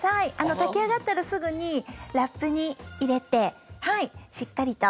炊き上がったらすぐにラップに入れて、しっかりと。